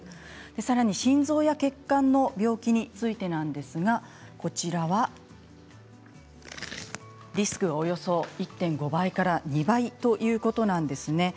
さらに心臓や血管の病気についてなんですがリスクおよそ１．５倍から２倍ということなんです。